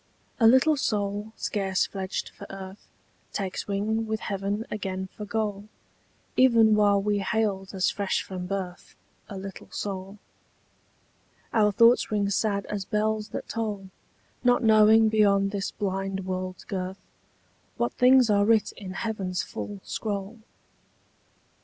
A LITTLE soul scarce fledged for earth Takes wing with heaven again for goal Even while we hailed as fresh from birth A little soul. Our thoughts ring sad as bells that toll, Not knowing beyond this blind world's girth What things are writ in heaven's full scroll.